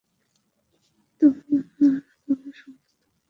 তোমার সমস্ত পা কাদায় মাখামাখি।